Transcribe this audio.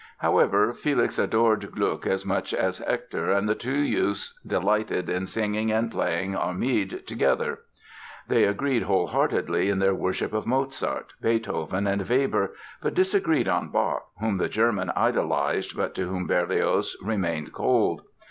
However, Felix adored Gluck as much as Hector and the two youths delighted in singing and playing "Armide" together. They agreed whole heartedly in their worship of Mozart, Beethoven and Weber but disagreed on Bach, whom the German idolized but to whom Berlioz remained cold.